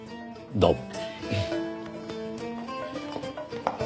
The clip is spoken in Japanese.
どうも。